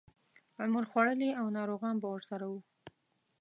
عمر خوړلي او ناروغان به ورسره وو.